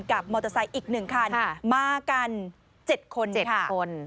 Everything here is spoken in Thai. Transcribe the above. กับมอเตอร์ไซค์อีก๑คันมากัน๗คน๗คน